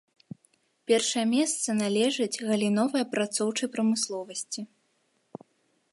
Першае месца належыць галіновай апрацоўчай прамысловасці.